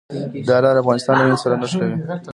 دا لار افغانستان له هند سره نښلوي.